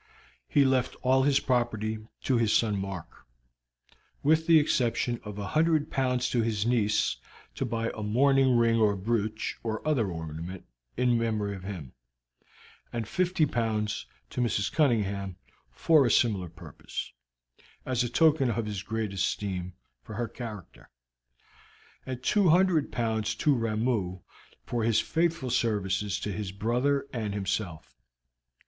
He left all his property to his son Mark, with the exception of a hundred pounds to his niece to buy a mourning ring or brooch or other ornament in memory of him, and fifty pounds to Mrs. Cunningham for a similar purpose, as a token of his great esteem for her character, and 200 pounds to Ramoo for his faithful services to his brother and himself.